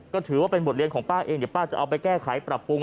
ก็ถือว่าเป็นบทเรียนของป้าเองเดี๋ยวป้าจะเอาไปแก้ไขปรับปรุง